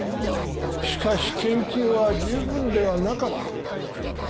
しかし研究は十分ではなかった。